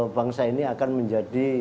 bangsa ini akan menjadi